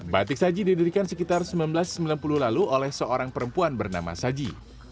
batik saji didirikan sekitar seribu sembilan ratus sembilan puluh lalu oleh seorang perempuan bernama saji